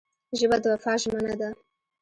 ژبه د وفا ژمنه ده